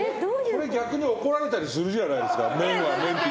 これ逆に怒られたりするじゃないですか。